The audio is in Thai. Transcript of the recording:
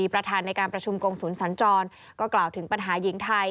ประธานในการประชุมกงศูนย์สัญจรก็กล่าวถึงปัญหาหญิงไทย